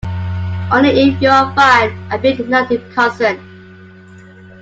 Only if you are fine and big enough to consent.